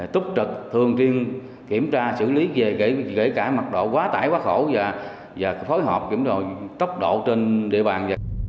túc trực thường tiên kiểm tra xử lý về kể cả mặt độ quá tải quá khổ và phối hợp kiểm tra tốc độ trên địa bàn